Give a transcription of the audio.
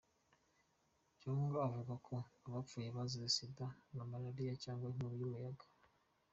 Cg avuga ko abapfuye bazize sida na malaliya cg inkubi y’umuyaga?